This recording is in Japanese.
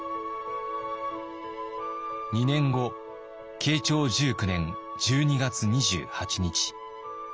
２年後慶長１９年１２月２８日。